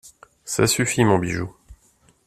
Ça suffit, mon bijou.